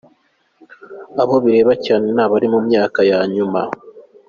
Abo bireba cyane ni abari mu myaka ya nyuma.